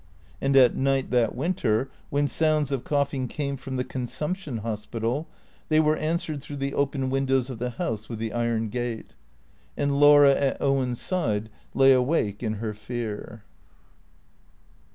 And at night, that winter, when sounds of coughing came from the Consumption Hospital, they were answered through the open windows of the house with the iron gate. And Laura at Owen's side lay awake in her fear.